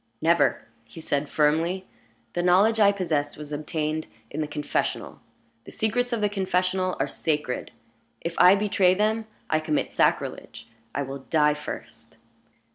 "Never!" he said, firmly. "The knowledge I possess was obtained in the confessional. The secrets of the confessional are sacred. If I betray them, I commit sacrilege. I will die first!"